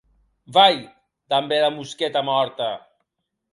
Vai, damb era mosqueta mòrta!